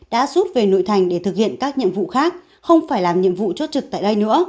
đã rút về nội thành để thực hiện các nhiệm vụ khác không phải làm nhiệm vụ chốt trực tại đây nữa